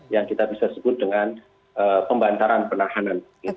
yang kita bisa sebut dengan pembantaran penahanan